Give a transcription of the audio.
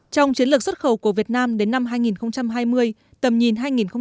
trong chiến lược xuất khẩu của việt nam đến năm hai nghìn hai mươi tầm nhìn hai nghìn ba mươi